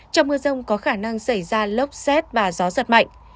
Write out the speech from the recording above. trong mưa rông có khả năng xảy ra lốc xét và gió giật mạnh